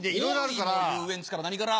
多いの遊園地から何から。